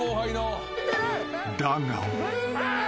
［だが］